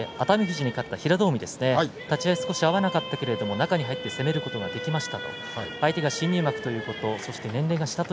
富士に勝った平戸海立ち合い少し合わなかったけど中に入って攻めることができましたと。